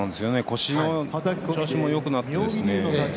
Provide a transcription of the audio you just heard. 腰の調子もよくなってですね